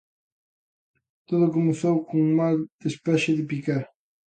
Todo comezou cun mal despexe de Piqué.